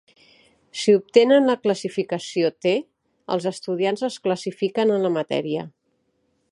Si obtenen la classificació T, els estudiants es classifiquen en la matèria.